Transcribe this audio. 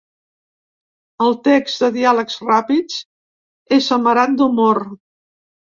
El text, de diàlegs ràpids, és amarat d’humor.